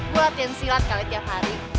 gue latihan silat kali tiap hari